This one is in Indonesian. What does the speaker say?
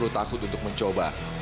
takut untuk mencoba